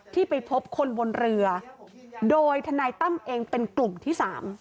ที่ไปพบคนบนเรือโดยทนายตั้มเองเป็นกลุ่มที่๓